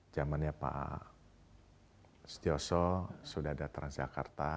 zamannya pak setioso sudah ada transjakarta